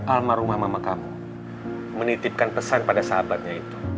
almarhumah mama kamu menitipkan pesan pada sahabatnya itu